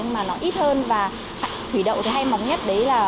và ở vùng đầu mặt